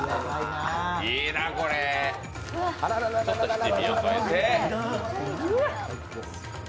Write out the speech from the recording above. いいな、これ、ちょっと七味を添えて。